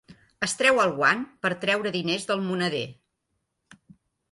Es treu el guant per treure diners del moneder.